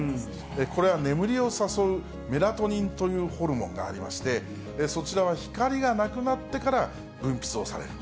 これは眠りを誘うメラトニンというホルモンがありまして、そちらは光がなくなってから分泌をされる。